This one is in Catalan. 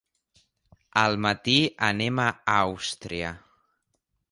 Al matí anem a Àustria.